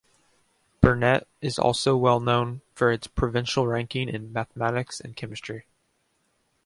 Burnett is also well known for its provincial ranking in mathematics and chemistry.